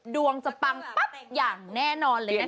ดวงจะปังปั๊บอย่างแน่นอนเลยนะคะ